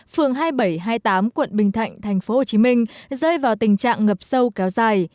phường hai nghìn bảy trăm hai mươi tám quận bình thạnh thành phố hồ chí minh rơi vào tình trạng ngập sâu kéo dài